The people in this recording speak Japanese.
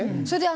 そう。